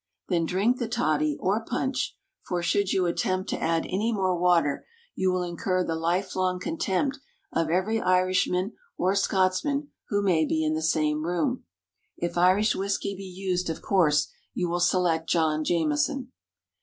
Then drink the toddy, or punch; for should you attempt to add any more water you will incur the lifelong contempt of every Irishman or Scotsman who may be in the same room. If Irish whisky be used, of course you will select "John Jameson."